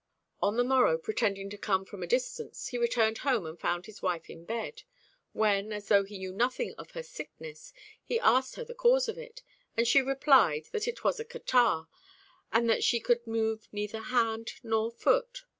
On the morrow, pretending to come from a distance, he returned home and found his wife in bed, when, as though he knew nothing of her sickness, he asked her the cause of it; and she replied that it was a catarrh, and that she could move neither hand nor foot.